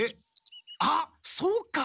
あっそうか！